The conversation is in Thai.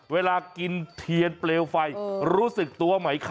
เวลากินเทียนเปลวไฟรู้สึกตัวไหมคะ